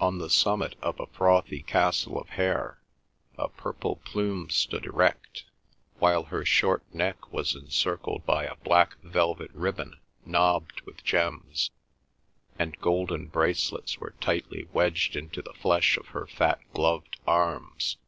On the summit of a frothy castle of hair a purple plume stood erect, while her short neck was encircled by a black velvet ribbon knobbed with gems, and golden bracelets were tightly wedged into the flesh of her fat gloved arms.